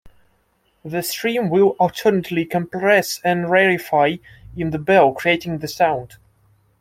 The steam will alternately compress and rarefy in the bell, creating the sound.